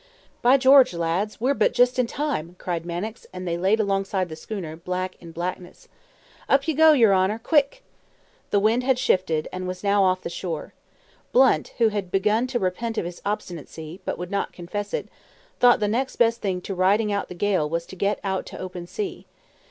"By George, lads, we're but just in time!" cried Mannix; and they laid alongside the schooner, black in blackness. "Up ye go, yer honour, quick!" The wind had shifted, and was now off the shore. Blunt, who had begun to repent of his obstinacy, but would not confess it, thought the next best thing to riding out the gale was to get out to open sea.